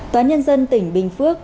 tòa nhân dân tỉnh bình phước